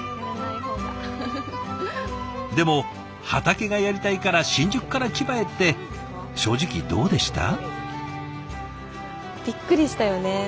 でも畑がやりたいから新宿から千葉へって正直どうでした？